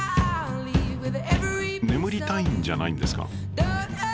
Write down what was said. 眠りたいんじゃないんですか？